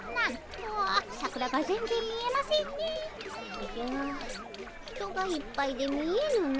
おじゃ人がいっぱいで見えぬの。